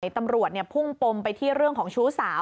ตำรวจพุ่งปมไปที่เรื่องของชู้สาว